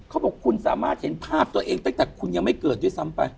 เขาบอกคุณสามารถเห็นภาพตัวเองตั้งแต่คุณยังไม่เกิดด้วยซ้ำไป